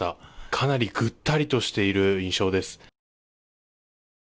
かなり、ぐったりとしている印象です。